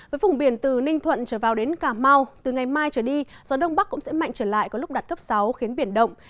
với vùng biển từ ninh thuận trở vào đến cà mau từ ngày mai trở đi gió đông bắc cũng sẽ mạnh trở lại có lúc đạt cấp sáu khiến biển động